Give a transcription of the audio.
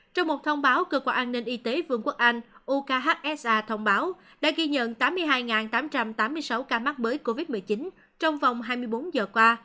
trong một thông báo cơ quan an ninh y tế vương quốc anh ukhsa thông báo đã ghi nhận tám mươi hai tám trăm tám mươi sáu ca mắc mới covid một mươi chín trong vòng hai mươi bốn giờ qua